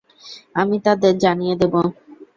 আমি তাদের জানিয়ে দেব।